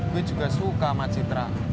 gue juga suka sama citra